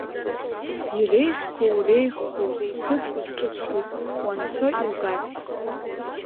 Иреиӷьқәоу-реиӷьқәоу ԥыҭк узҿысхит, уанцо иугарц…